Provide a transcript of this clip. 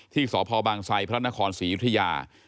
ที่สพบางไซพระนครศรียุธยา